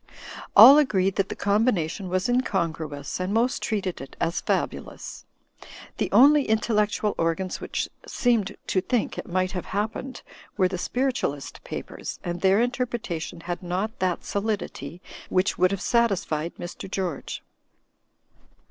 All agreed that the combination was incon gruous, and most treated it as fabulous. The only in tellectual organs which seemed to think it might have happened were the Spiritualist papers, and their inter pretation had not that solidity which would have satis fied Mr. George.